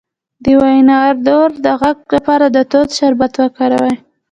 د وینادرو د غږ لپاره د توت شربت وکاروئ